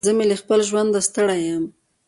زه مې له خپل ژونده ستړی يم.